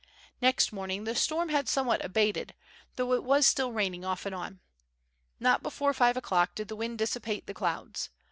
Next morning the storm had somewhat abated, though it was still raining off and on. Not before five o'clock did the wind dissipate the clouds.